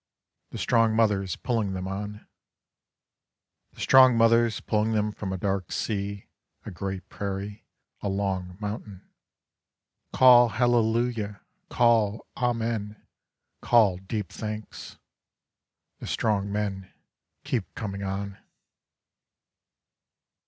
The strong mothers pulling them on .. The strong mothers pulling them from a dark sea, a great prairie, a long mountain. Call hallelujah, call amen, call deep thanks. The strong men keep coming on.